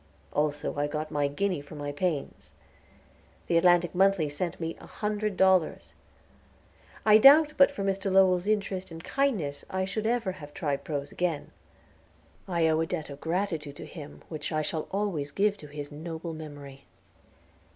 Also I got my guinea for my pains. The Atlantic Monthly sent me a hundred dollars. I doubt but for Mr. Lowell's interest and kindness I should ever have tried prose again. I owe a debt of gratitude to him which I shall always give to his noble memory.